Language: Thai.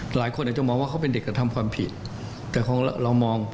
หลายคนอาจจะมองว่าเขาเป็นเด็กกระทำความผิดแต่ของเรามอง